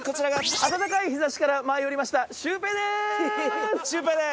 暖かい日差しから舞い降りましたシュウペイです。